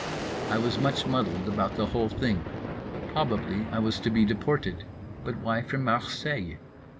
I was much muddled about the whole thing. Probably I was to be deported. But why from Marseilles?